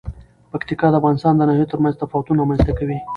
پکتیکا د افغانستان د ناحیو ترمنځ تفاوتونه رامنځ ته کوي.